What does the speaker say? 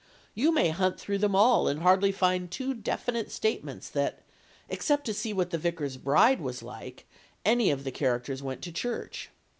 You may hunt through them all and hardly find two definite statements that, except to see what the vicar's bride was like, any of the characters went to church.